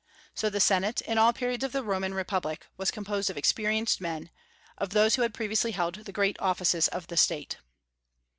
So the Senate, in all periods of the Roman Republic, was composed of experienced men, of those who had previously held the great offices of State.